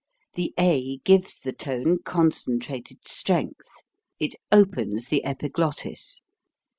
The a gives the tone concentrated strength; it opens the epiglottis.